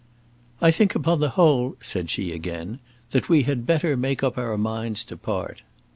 "I think upon the whole," said she again, "that we had better make up our minds to part."